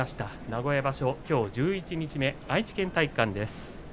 名古屋場所きょう十一日目愛知県体育館です。